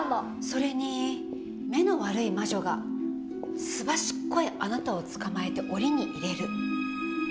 それに目の悪い魔女がすばしっこいあなたを捕まえて檻に入れる。